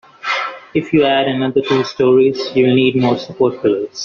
If you add another two storeys, you'll need more support pillars.